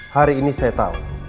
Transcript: hari ini saya tahu